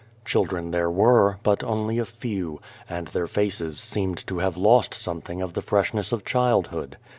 Children there were, but only a few, and their faces seemed to have lost something of the freshness of childhood.